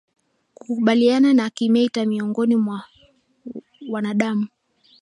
Kukabiliana na kimeta miongoni mwa wanadamu